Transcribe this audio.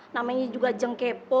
namanya juga jeng kepo